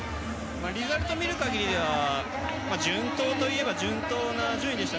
リザルト見る限りでは順当といえば順当な順位でした。